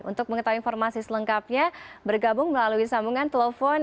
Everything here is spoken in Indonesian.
untuk mengetahui informasi selengkapnya bergabung melalui sambungan telepon